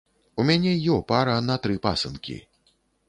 У мяне ё пара на тры пасынкі.